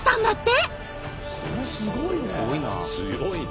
これすごいね。